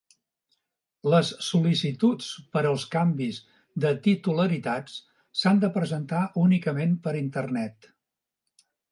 Les sol·licituds per als canvis de titularitat s'han de presentar únicament per Internet.